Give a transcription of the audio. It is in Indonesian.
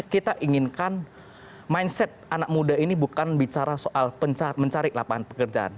kita inginkan mindset anak muda ini bukan bicara soal mencari lapangan pekerjaan